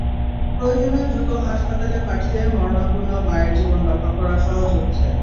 প্রয়োজনে দ্রুত হাসপাতালে পাঠিয়ে মরণাপন্ন মায়ের জীবন রক্ষা করা সহজ হচ্ছে।